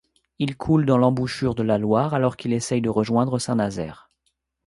Il coule dans l’embouchure de la Loire alors qu'il essaie de rejoindre Saint-Nazaire.